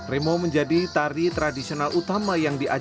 remo menjadi tari tradisional utama yang diajukan